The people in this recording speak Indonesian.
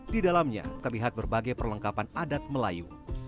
di dalamnya terlihat berbagai perlengkapan adat melayu